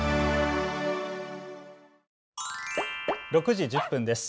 ６時１０分です。